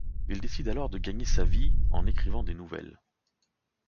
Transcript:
Il décide alors de gagner sa vie en écrivant des nouvelles.